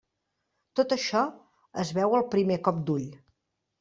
Tot això es veu al primer cop d'ull.